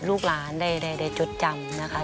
ลูกหลานได้จดจำนะคะ